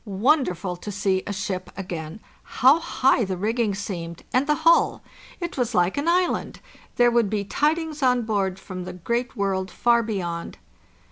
Wonderful to see a ship again! How high the rigging seemed, and the hull! It was like an island. There would be tidings on board from the great world far beyond."